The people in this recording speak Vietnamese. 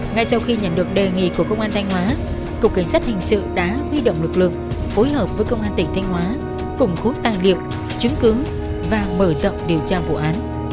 ngay sau khi nhận được đề nghị của công an thanh hóa cục cảnh sát hình sự đã huy động lực lượng phối hợp với công an tỉnh thanh hóa củng cố tài liệu chứng cứ và mở rộng điều tra vụ án